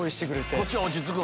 こっちは落ち着くの？